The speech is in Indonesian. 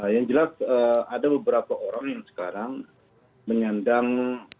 yang jelas ada beberapa orang yang sekarang menyandang